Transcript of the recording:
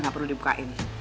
gak perlu dibukain